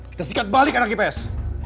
kita sikat balik anak gps